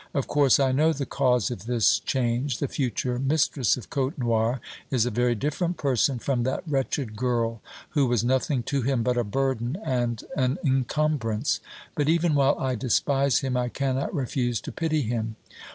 Of course I know the cause of this change; the future mistress of Côtenoir is a very different person from that wretched girl who was nothing to him but a burden and an encumbrance. But even while I despise him I cannot refuse to pity him.